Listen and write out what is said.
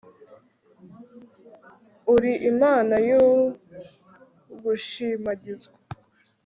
r/ uri imana y'ugushimagizwa